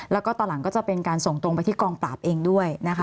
แล้วก็ตอนหลังก็จะเป็นการส่งตรงไปที่กองปราบเองด้วยนะคะ